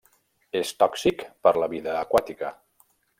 És tòxic per la vida aquàtica.